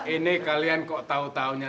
ini kalian kok tahu tahunya